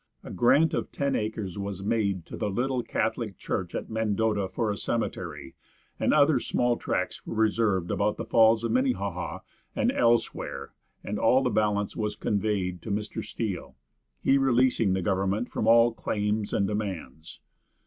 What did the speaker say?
A grant of ten acres was made to the little Catholic church at Mendota, for a cemetery, and other small tracts were reserved about the Falls of Minnehaha and elsewhere, and all the balance was conveyed to Mr. Steele, he releasing the government from all claims and demands.